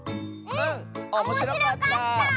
うんおもしろかった！